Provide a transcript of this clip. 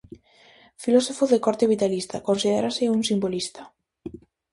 Filósofo de corte vitalista, considérase un simbolista.